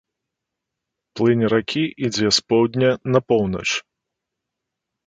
Плынь ракі ідзе з поўдня на поўнач.